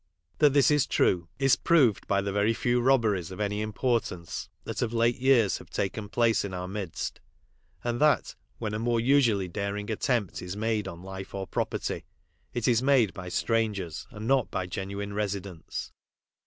That this is true is proved by the very few robberies of any importance that of late years have taken place in our midst, and that, when a more than usually daring attempt is made on life or property, it is made by strangers and not by genuine residents.